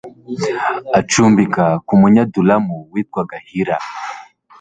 acumbika ku Munyadulamu witwaga Hira